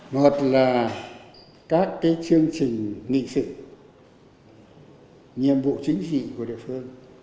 một là các chương trình nghị sự nhiệm vụ chính trị của địa phương